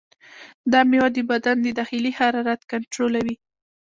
دا میوه د بدن د داخلي حرارت کنټرولوي.